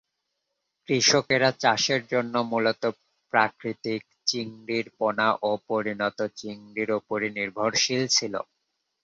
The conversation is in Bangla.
কৃষকরা চাষের জন্য মূলত প্রাকৃতিক চিংড়ির পোনা ও পরিণত চিংড়ির ওপরই নির্ভরশীল ছিল।